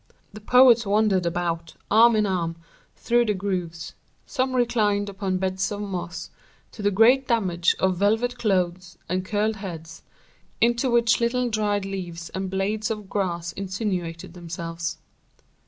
The poets wandered about, arm in arm, through the groves; some reclined upon beds of moss, to the great damage of velvet clothes and curled heads, into which little dried leaves and blades of grass insinuated themselves.